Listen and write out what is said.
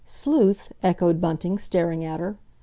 "Sleuth," echoed Bunting, staring at her.